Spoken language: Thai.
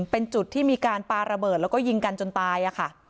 เป็นจุดที่มีการปาระเบิดแล้วก็ยิงกันจนตายค่ะ